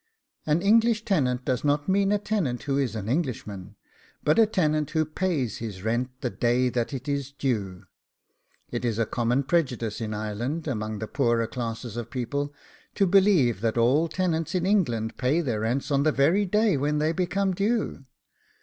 An English tenant does not mean a tenant who is an Englishman, but a tenant who pays his rent the day that it is due. It is a common prejudice in Ireland, amongst the poorer classes of people, to believe that all tenants in England pay their rents on the very day when they become due.